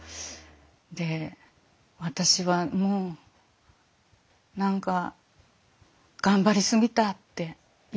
で私はもう何か頑張りすぎたって言ったんですよ。